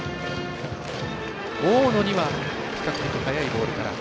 大野には速いボールから。